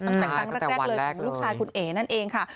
ตั้งแต่ครั้งแรกเลยของลูกชายคุณเอ๋นั่นเองค่ะ